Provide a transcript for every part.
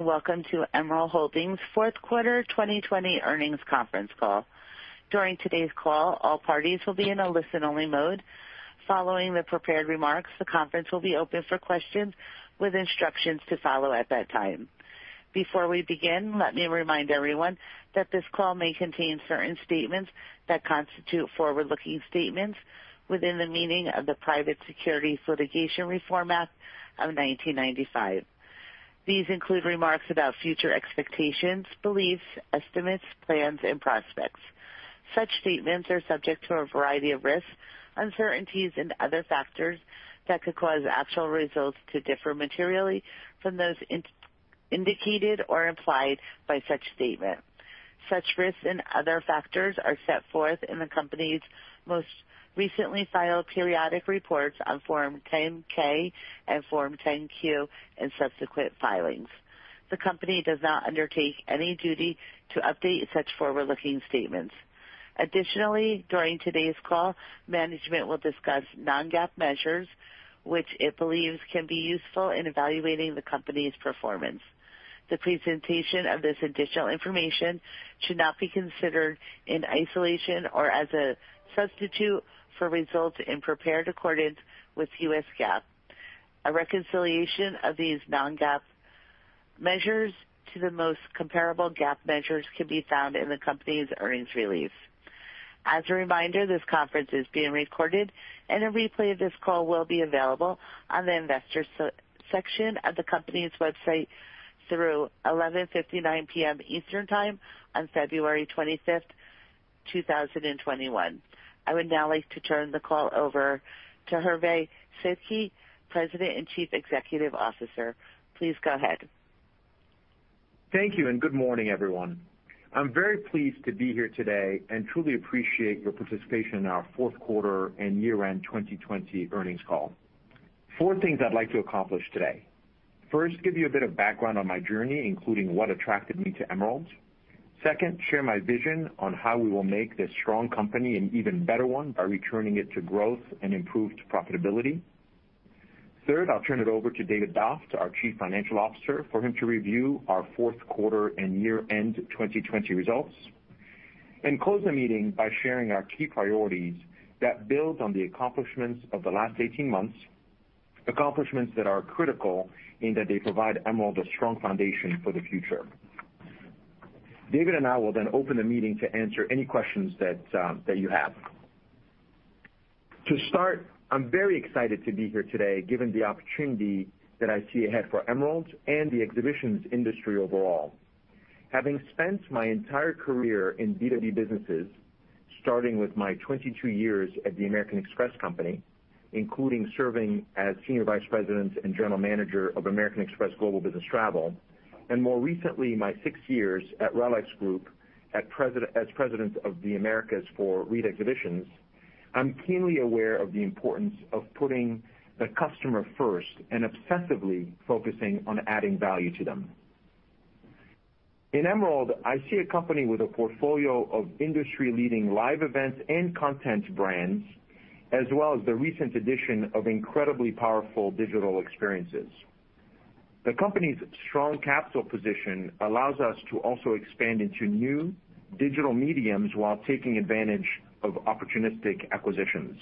Welcome to Emerald Holding's Fourth Quarter 2020 Earnings Conference Call. During today's call, all parties will be in a listen-only mode. Following the prepared remarks, the conference will be open for questions with instructions to follow at that time. Before we begin, let me remind everyone that this call may contain certain statements that constitute forward-looking statements within the meaning of the Private Securities Litigation Reform Act of 1995. These include remarks about future expectations, beliefs, estimates, plans, and prospects. Such statements are subject to a variety of risks, uncertainties, and other factors that could cause actual results to differ materially from those indicated or implied by such statements. Such risks and other factors are set forth in the company's most recently filed periodic reports on Form 10-K and Form 10-Q and subsequent filings. The company does not undertake any duty to update such forward-looking statements. Additionally, during today's call, management will discuss non-GAAP measures which it believes can be useful in evaluating the company's performance. The presentation of this additional information should not be considered in isolation or as a substitute for results in prepared accordance with U.S. GAAP. A reconciliation of these non-GAAP measures to the most comparable GAAP measures can be found in the company's earnings release. As a reminder, this conference is being recorded, and a replay of this call will be available on the investors section of the company's website through 11:59 P.M. Eastern Time on February 25th, 2021. I would now like to turn the call over to Hervé Sedky, President and Chief Executive Officer. Please go ahead. Thank you. Good morning, everyone. I'm very pleased to be here today and truly appreciate your participation in our fourth quarter and year-end 2020 earnings call. Four things I'd like to accomplish today. First, give you a bit of background on my journey, including what attracted me to Emerald. Second, share my vision on how we will make this strong company an even better one by returning it to growth and improved profitability. Third, I'll turn it over to David Doft, our Chief Financial Officer, for him to review our fourth quarter and year-end 2020 results. Close the meeting by sharing our key priorities that build on the accomplishments of the last 18 months, accomplishments that are critical in that they provide Emerald a strong foundation for the future. David and I will open the meeting to answer any questions that you have. To start, I'm very excited to be here today given the opportunity that I see ahead for Emerald and the exhibitions industry overall. Having spent my entire career in B2B businesses, starting with my 22 years at American Express Company, including serving as Senior Vice President and General Manager of American Express Global Business Travel, and more recently, my six years at RELX Group as President of the Americas for Reed Exhibitions, I'm keenly aware of the importance of putting the customer first and obsessively focusing on adding value to them. In Emerald, I see a company with a portfolio of industry-leading live events and content brands, as well as the recent addition of incredibly powerful digital experiences. The company's strong capital position allows us to also expand into new digital mediums while taking advantage of opportunistic acquisitions.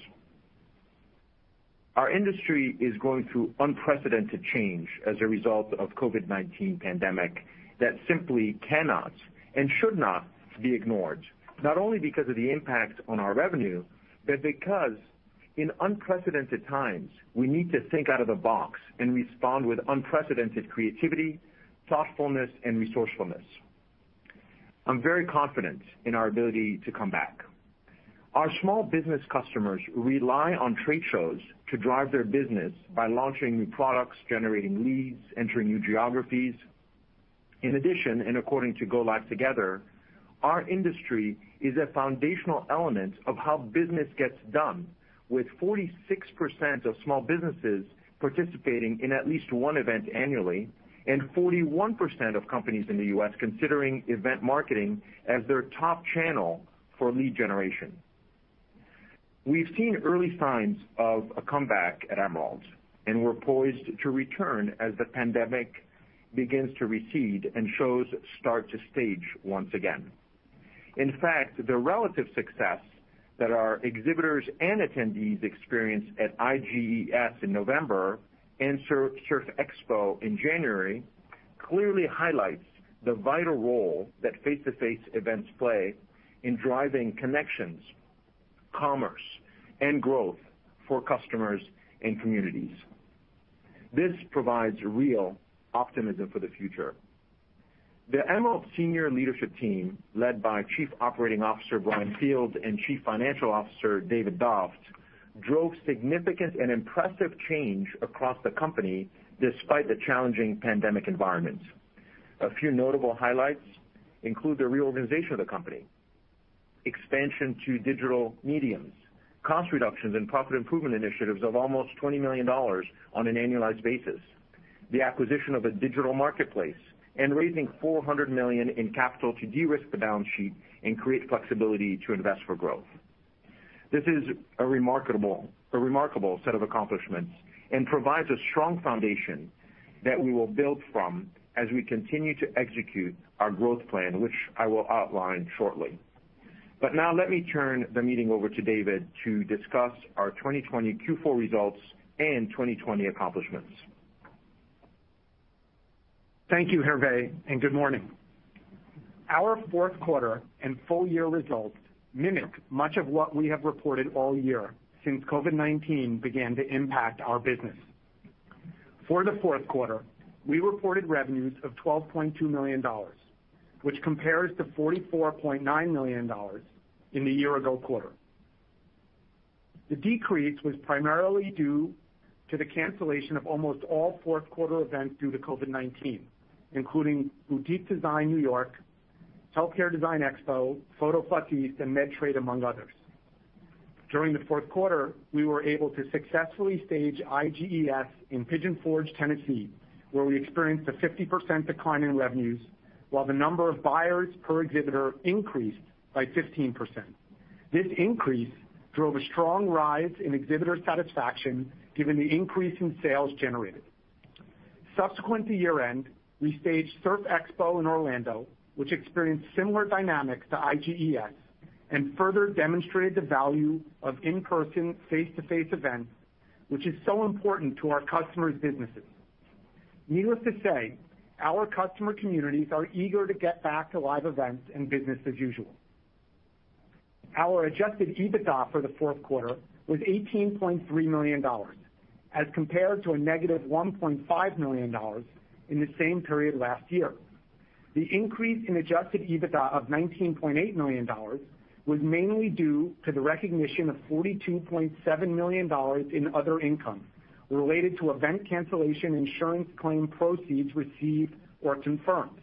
Our industry is going through unprecedented change as a result of COVID-19 pandemic that simply cannot and should not be ignored, not only because of the impact on our revenue, but because in unprecedented times, we need to think out of the box and respond with unprecedented creativity, thoughtfulness, and resourcefulness. I'm very confident in our ability to come back. Our small business customers rely on trade shows to drive their business by launching products, generating leads, entering new geographies. In addition, and according to Go LIVE Together, our industry is a foundational element of how business gets done, with 46% of small businesses participating in at least one event annually and 41% of companies in the U.S. considering event marketing as their top channel for lead generation. We've seen early signs of a comeback at Emerald, and we're poised to return as the pandemic begins to recede and shows start to stage once again. In fact, the relative success that our exhibitors and attendees experienced at IGES in November and Surf Expo in January clearly highlights the vital role that face-to-face events play in driving connections, commerce, and growth for customers and communities. This provides real optimism for the future. The Emerald senior leadership team, led by Chief Operating Officer, Brian Field, and Chief Financial Officer, David Doft, drove significant and impressive change across the company despite the challenging pandemic environment. A few notable highlights include the reorganization of the company, expansion to digital mediums, cost reductions and profit improvement initiatives of almost $20 million on an annualized basis, the acquisition of a digital marketplace, and raising $400 million in capital to de-risk the balance sheet and create flexibility to invest for growth. This is a remarkable set of accomplishments and provides a strong foundation that we will build from as we continue to execute our growth plan, which I will outline shortly. Now let me turn the meeting over to David to discuss our 2020 Q4 results and 2020 accomplishments. Thank you, Hervé, and good morning. Our fourth quarter and full year results mimic much of what we have reported all year since COVID-19 began to impact our business. For the fourth quarter, we reported revenues of $12.2 million, which compares to $44.9 million in the year-ago quarter. The decrease was primarily due to the cancellation of almost all fourth quarter events due to COVID-19, including Boutique Design New York, Healthcare Design Expo, PhotoPlus and Medtrade, among others. During the fourth quarter, we were able to successfully stage IGES in Pigeon Forge, Tennessee, where we experienced a 50% decline in revenues, while the number of buyers per exhibitor increased by 15%. This increase drove a strong rise in exhibitor satisfaction given the increase in sales generated. Subsequent to year-end, we staged Surf Expo in Orlando, which experienced similar dynamics to IGES and further demonstrated the value of in-person face-to-face events, which is so important to our customers' businesses. Needless to say, our customer communities are eager to get back to live events and business as usual. Our Adjusted EBITDA for the fourth quarter was $18.3 million as compared to a negative $1.5 million in the same period last year. The increase in Adjusted EBITDA of $19.8 million was mainly due to the recognition of $42.7 million in other income related to event cancellation insurance claim proceeds received or confirmed.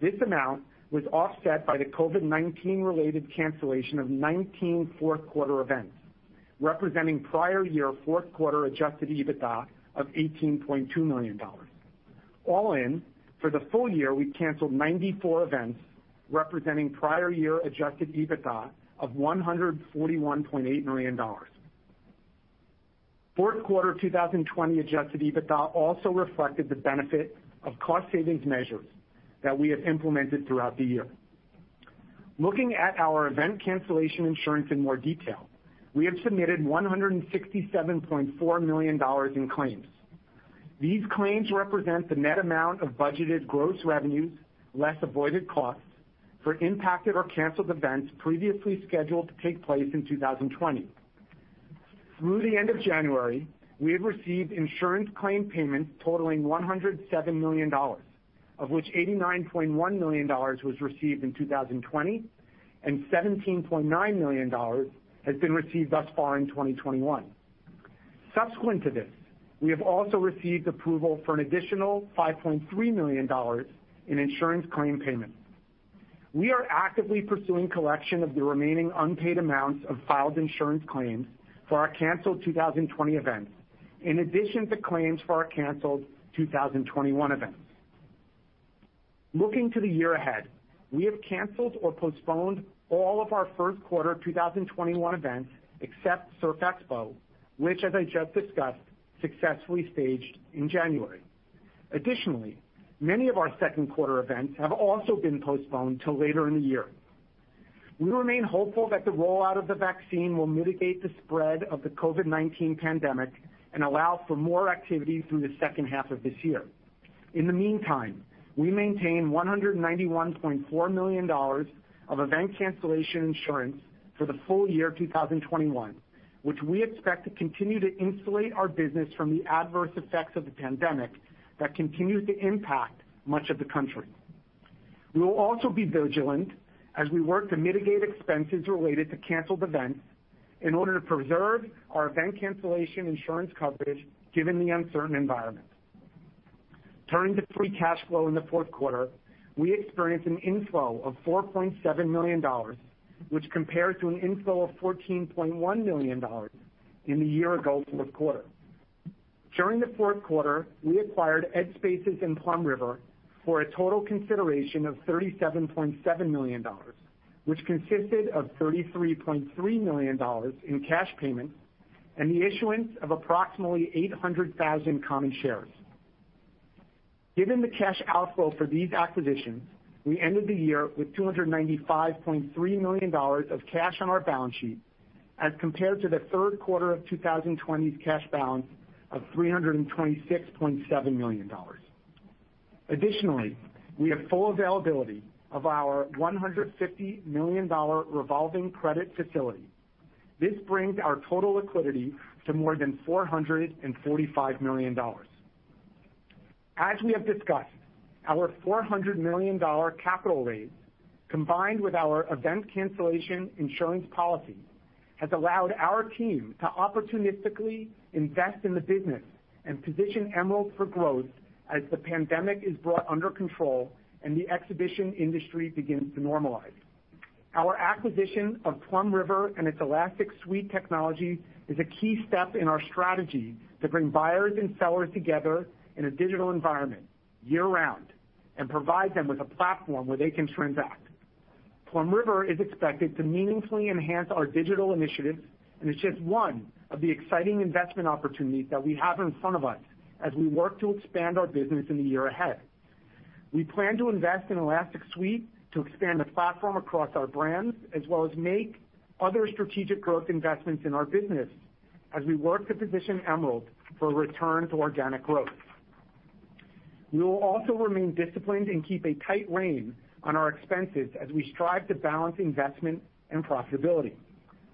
This amount was offset by the COVID-19 related cancellation of 19 fourth quarter events, representing prior year fourth quarter Adjusted EBITDA of $18.2 million. All in, for the full year, we canceled 94 events representing prior year Adjusted EBITDA of $141.8 million. Fourth quarter 2020 Adjusted EBITDA also reflected the benefit of cost savings measures that we have implemented throughout the year. Looking at our event cancellation insurance in more detail, we have submitted $167.4 million in claims. These claims represent the net amount of budgeted gross revenues, less avoided costs for impacted or canceled events previously scheduled to take place in 2020. Through the end of January, we have received insurance claim payments totaling $107 million, of which $89.1 million was received in 2020 and $17.9 million has been received thus far in 2021. Subsequent to this, we have also received approval for an additional $5.3 million in insurance claim payments. We are actively pursuing collection of the remaining unpaid amounts of filed insurance claims for our canceled 2020 events, in addition to claims for our canceled 2021 events. Looking to the year ahead, we have canceled or postponed all of our first quarter 2021 events except Surf Expo, which as I just discussed, successfully staged in January. Many of our second quarter events have also been postponed till later in the year. We remain hopeful that the rollout of the vaccine will mitigate the spread of the COVID-19 pandemic and allow for more activity through the second half of this year. In the meantime, we maintain $191.4 million of event cancellation insurance for the full year 2021, which we expect to continue to insulate our business from the adverse effects of the pandemic that continues to impact much of the country. We will also be vigilant as we work to mitigate expenses related to canceled events in order to preserve our event cancellation insurance coverage given the uncertain environment. Turning to free cash flow in the fourth quarter, we experienced an inflow of $4.7 million, which compared to an inflow of $14.1 million in the year-ago fourth quarter. During the fourth quarter, we acquired EDspaces and PlumRiver for a total consideration of $37.7 million, which consisted of $33.3 million in cash payments and the issuance of approximately 800,000 common shares. Given the cash outflow for these acquisitions, we ended the year with $295.3 million of cash on our balance sheet as compared to the third quarter of 2020's cash balance of $326.7 million. Additionally, we have full availability of our $150 million revolving credit facility. This brings our total liquidity to more than $445 million. As we have discussed, our $400 million capital raise, combined with our event cancellation insurance policy, has allowed our team to opportunistically invest in the business and position Emerald for growth as the pandemic is brought under control and the exhibition industry begins to normalize. Our acquisition of PlumRiver and its Elastic Suite technology is a key step in our strategy to bring buyers and sellers together in a digital environment year-round and provide them with a platform where they can transact. PlumRiver is expected to meaningfully enhance our digital initiatives, and it's just one of the exciting investment opportunities that we have in front of us as we work to expand our business in the year ahead. We plan to invest in Elastic Suite to expand the platform across our brands, as well as make other strategic growth investments in our business as we work to position Emerald for a return to organic growth. We will also remain disciplined and keep a tight rein on our expenses as we strive to balance investment and profitability.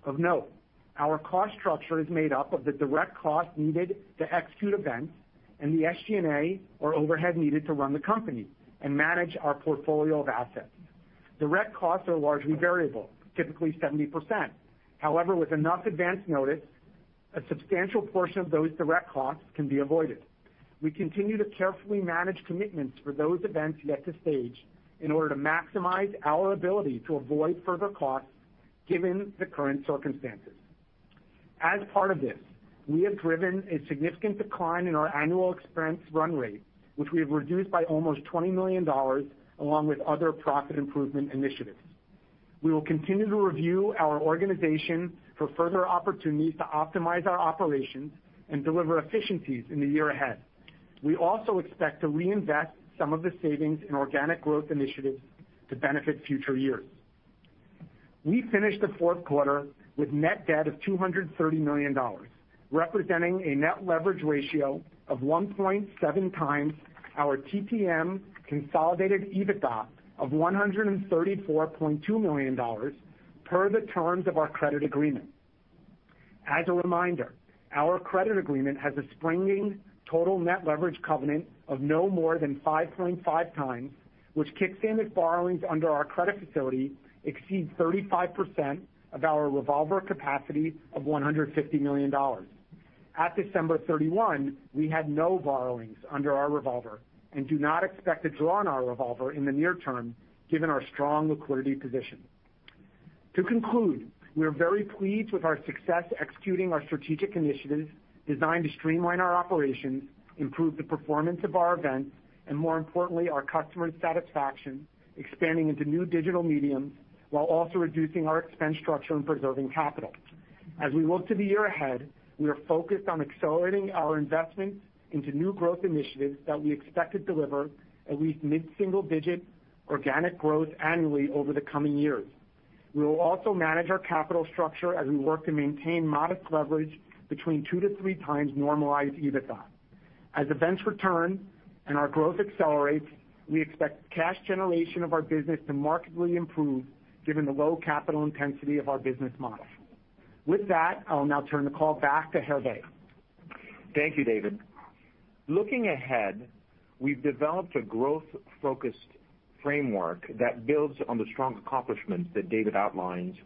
Of note, our cost structure is made up of the direct costs needed to execute events and the SG&A or overhead needed to run the company and manage our portfolio of assets. Direct costs are largely variable, typically 70%. However, with enough advance notice, a substantial portion of those direct costs can be avoided. We continue to carefully manage commitments for those events yet to stage in order to maximize our ability to avoid further costs given the current circumstances. As part of this, we have driven a significant decline in our annual expense run rate, which we have reduced by almost $20 million, along with other profit improvement initiatives. We will continue to review our organization for further opportunities to optimize our operations and deliver efficiencies in the year ahead. We also expect to reinvest some of the savings in organic growth initiatives to benefit future years. We finished the fourth quarter with net debt of $230 million, representing a net leverage ratio of 1.7x our TTM consolidated EBITDA of $134.2 million per the terms of our credit agreement. As a reminder, our credit agreement has a springing total net leverage covenant of no more than 5.5x, which kicks in if borrowings under our credit facility exceed 35% of our revolver capacity of $150 million. At December 31, we had no borrowings under our revolver and do not expect to draw on our revolver in the near term given our strong liquidity position. To conclude, we are very pleased with our success executing our strategic initiatives designed to streamline our operations, improve the performance of our events, and more importantly, our customer satisfaction, expanding into new digital mediums, while also reducing our expense structure and preserving capital. As we look to the year ahead, we are focused on accelerating our investments into new growth initiatives that we expect to deliver at least mid-single-digit organic growth annually over the coming years. We will also manage our capital structure as we work to maintain modest leverage between two to three times normalized EBITDA. As events return and our growth accelerates, we expect cash generation of our business to markedly improve given the low capital intensity of our business model. With that, I'll now turn the call back to Hervé. Thank you, David. Looking ahead, we've developed a growth-focused framework that builds on the strong accomplishments that David outlined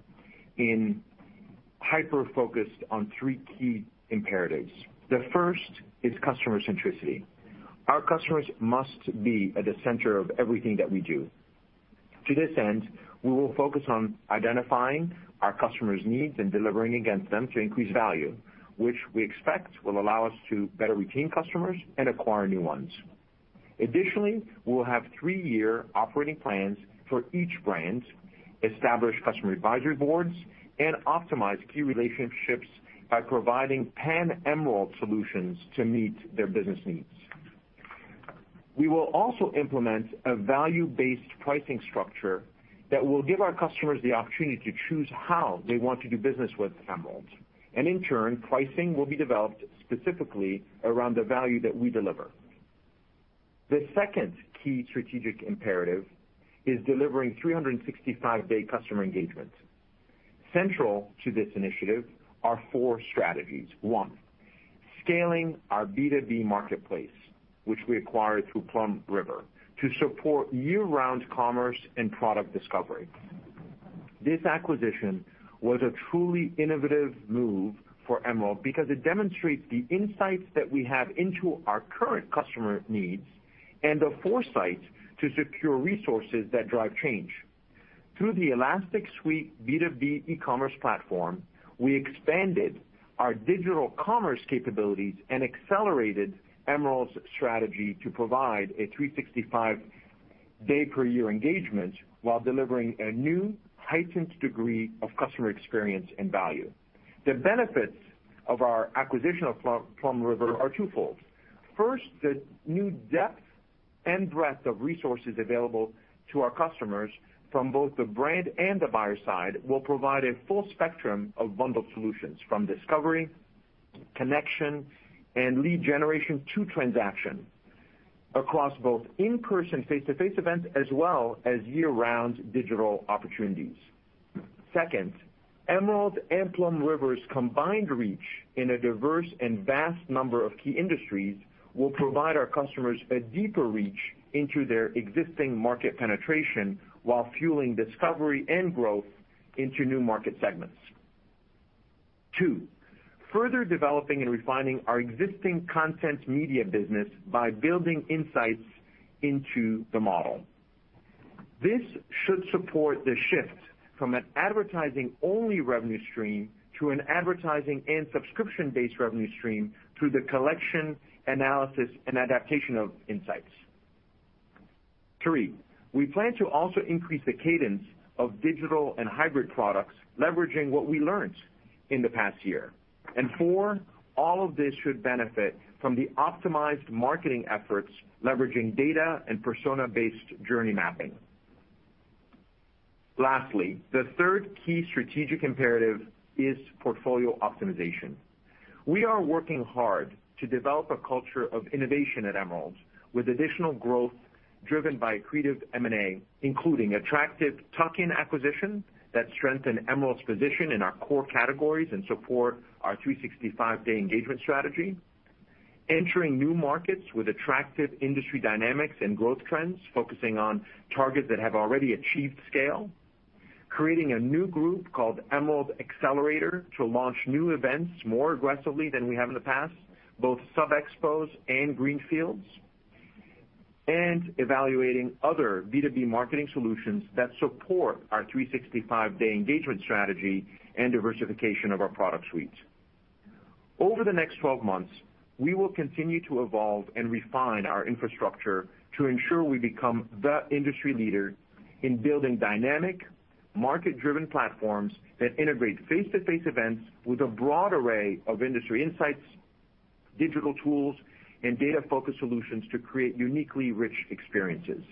and hyper-focused on three key imperatives. The first is customer centricity. Our customers must be at the center of everything that we do. To this end, we will focus on identifying our customers' needs and delivering against them to increase value, which we expect will allow us to better retain customers and acquire new ones. Additionally, we will have three-year operating plans for each brand, establish customer advisory boards, and optimize key relationships by providing pan-Emerald solutions to meet their business needs. We will also implement a value-based pricing structure that will give our customers the opportunity to choose how they want to do business with Emerald, and in turn, pricing will be developed specifically around the value that we deliver. The second key strategic imperative is delivering 365-day customer engagement. Central to this initiative are four strategies. One, scaling our B2B marketplace, which we acquired through PlumRiver, to support year-round commerce and product discovery. This acquisition was a truly innovative move for Emerald because it demonstrates the insights that we have into our current customer needs and the foresight to secure resources that drive change. Through the Elastic Suite B2B e-commerce platform, we expanded our digital commerce capabilities and accelerated Emerald's strategy to provide a 365-day-per-year engagement while delivering a new, heightened degree of customer experience and value. The benefits of our acquisition of PlumRiver are twofold. First, the new depth and breadth of resources available to our customers from both the brand and the buyer side will provide a full spectrum of bundled solutions from discovery, connection, and lead generation to transaction across both in-person face-to-face events as well as year-round digital opportunities. Second, Emerald and PlumRiver's combined reach in a diverse and vast number of key industries will provide our customers a deeper reach into their existing market penetration while fueling discovery and growth into new market segments. Two, further developing and refining our existing content media business by building insights into the model. This should support the shift from an advertising-only revenue stream to an advertising and subscription-based revenue stream through the collection, analysis, and adaptation of insights. Three, we plan to also increase the cadence of digital and hybrid products, leveraging what we learned in the past year. Four, all of this should benefit from the optimized marketing efforts leveraging data and persona-based journey mapping. Lastly, the third key strategic imperative is portfolio optimization. We are working hard to develop a culture of innovation at Emerald with additional growth driven by accretive M&A, including attractive tuck-in acquisitions that strengthen Emerald's position in our core categories and support our 365-day engagement strategy. Entering new markets with attractive industry dynamics and growth trends, focusing on targets that have already achieved scale. Creating a new group called Emerald Xcelerator to launch new events more aggressively than we have in the past, both sub-expos and greenfields. Evaluating other B2B marketing solutions that support our 365-day engagement strategy and diversification of our product suites. Over the next 12 months, we will continue to evolve and refine our infrastructure to ensure we become the industry leader in building dynamic, market-driven platforms that integrate face-to-face events with a broad array of industry insights, digital tools, and data-focused solutions to create uniquely rich experiences.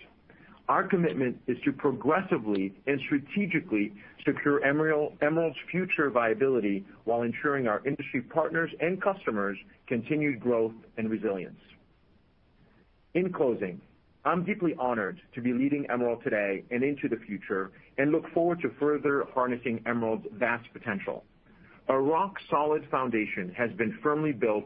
Our commitment is to progressively and strategically secure Emerald's future viability while ensuring our industry partners' and customers' continued growth and resilience. In closing, I'm deeply honored to be leading Emerald today and into the future and look forward to further harnessing Emerald's vast potential. A rock-solid foundation has been firmly built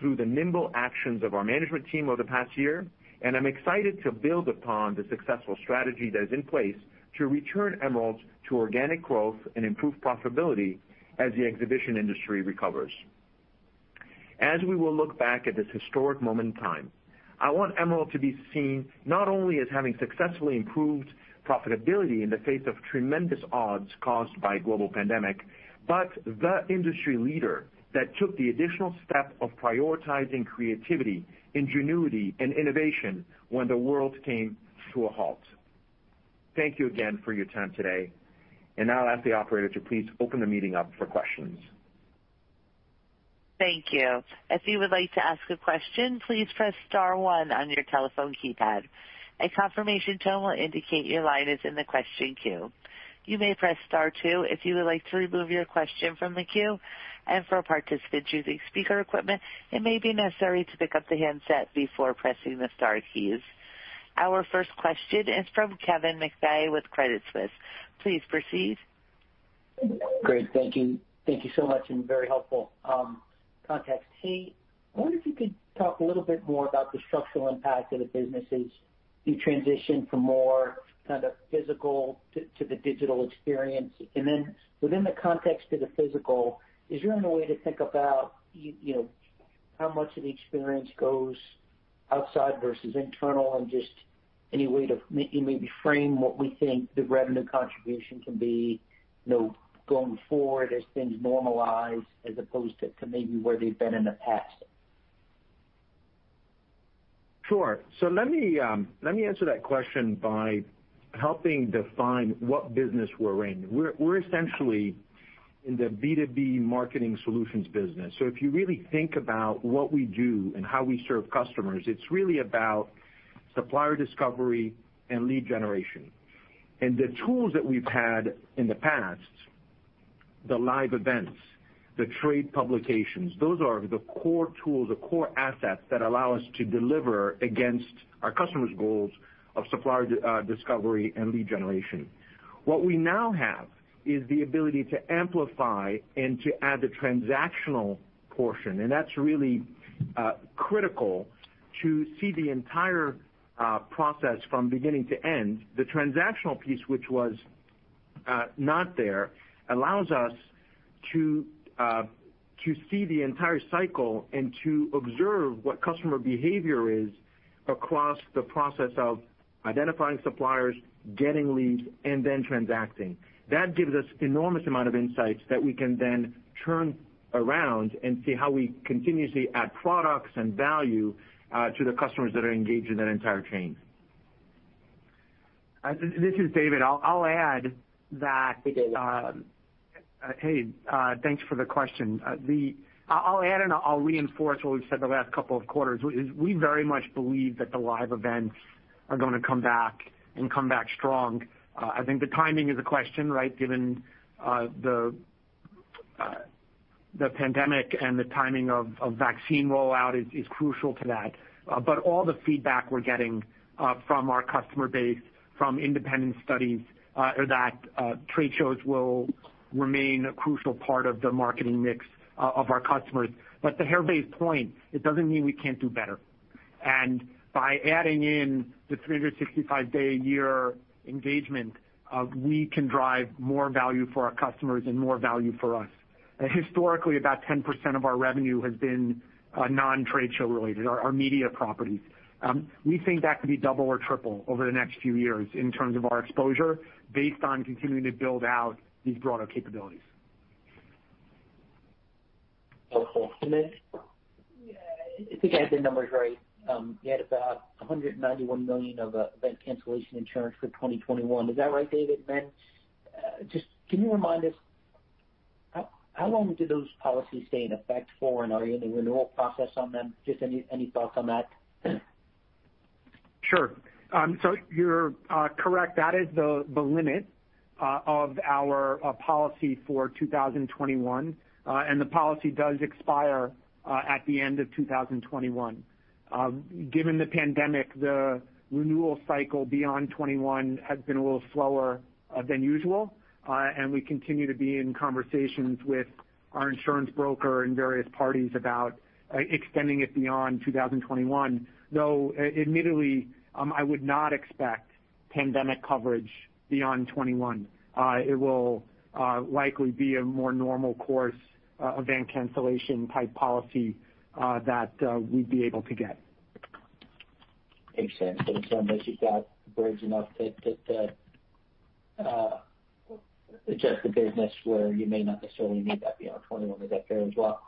through the nimble actions of our management team over the past year, and I'm excited to build upon the successful strategy that is in place to return Emerald to organic growth and improved profitability as the exhibition industry recovers. As we will look back at this historic moment in time, I want Emerald to be seen not only as having successfully improved profitability in the face of tremendous odds caused by a global pandemic, but the industry leader that took the additional step of prioritizing creativity, ingenuity, and innovation when the world came to a halt. Thank you again for your time today, and now I'll ask the operator to please open the meeting up for questions. Thank you. If you would like to ask a question, please press star one on your telephone keypad. A confirmation tone will indicate your line is in the question queue. You may press star two if you would like to remove your question from the queue. For participants using speaker equipment, it may be necessary to pick up the handset before pressing the star keys. Our first question is from Kevin McVeigh with Credit Suisse. Please proceed. Great. Thank you. Thank you so much and very helpful context. Hervé, I wonder if you could talk a little bit more about the structural impact of the businesses you transition from more kind of physical to the digital experience. And then within the context of the physical, is there any way to think about how much of the experience goes outside versus internal and just any way to maybe frame what we think the revenue contribution can be going forward as things normalize, as opposed to maybe where they've been in the past? Sure. Let me answer that question by helping define what business we're in. We're essentially in the B2B marketing solutions business. If you really think about what we do and how we serve customers, it's really about supplier discovery and lead generation. The tools that we've had in the past, the live events, the trade publications, those are the core tools or core assets that allow us to deliver against our customers' goals of supplier discovery and lead generation. What we now have is the ability to amplify and to add the transactional portion, and that's really critical to see the entire process from beginning to end. The transactional piece, which was not there, allows us to see the entire cycle and to observe what customer behavior is across the process of identifying suppliers, getting leads, and then transacting. That gives us enormous amount of insights that we can then turn around and see how we continuously add products and value to the customers that are engaged in that entire chain. This is David. I'll add that- Hey, David. Hey, thanks for the question. I'll add and I'll reinforce what we've said the last couple of quarters, is we very much believe that the live events are going to come back and come back strong. I think the timing is a question, right? Given the pandemic and the timing of vaccine rollout is crucial to that. All the feedback we're getting from our customer base, from independent studies, are that trade shows will remain a crucial part of the marketing mix of our customers. To Hervé's point, it doesn't mean we can't do better. By adding in the 365-day a year engagement, we can drive more value for our customers and more value for us. Historically, about 10% of our revenue has been non-trade show related, our media properties. We think that could be double or triple over the next few years in terms of our exposure based on continuing to build out these broader capabilities. Okay. If I got the numbers right, you had about $191 million of event cancellation insurance for 2021. Is that right, David? Just can you remind us, how long do those policies stay in effect for, and are you in the renewal process on them? Just any thoughts on that? Sure. You're correct. That is the limit of our policy for 2021. The policy does expire at the end of 2021. Given the pandemic, the renewal cycle beyond 2021 has been a little slower than usual. We continue to be in conversations with our insurance broker and various parties about extending it beyond 2021, though admittedly, I would not expect pandemic coverage beyond 2021. It will likely be a more normal course event cancellation type policy that we'd be able to get. Makes sense. It sounds like you've got coverage enough that it's just a business where you may not necessarily need that beyond 2021 with that coverage well.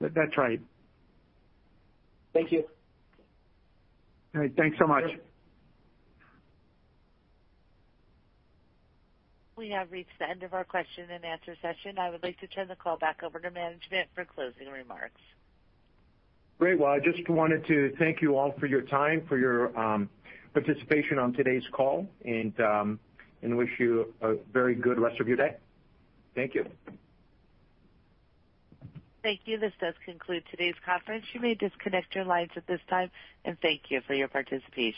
That's right. Thank you. All right. Thanks so much. We have reached the end of our question and answer session. I would like to turn the call back over to management for closing remarks. Great. I just wanted to thank you all for your time, for your participation on today's call and wish you a very good rest of your day. Thank you. Thank you. This does conclude today's conference. You may disconnect your lines at this time, and thank you for your participation.